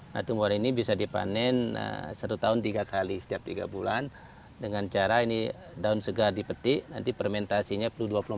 nah tumor ini bisa dipanen satu tahun tiga kali setiap tiga bulan dengan cara ini daun segar dipetik nanti fermentasinya perlu dua puluh empat jam